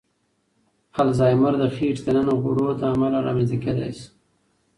الزایمر د خېټې دننه غوړو له امله رامنځ ته کېدای شي.